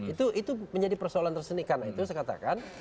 itu menjadi persoalan tersenikannya itu saya katakan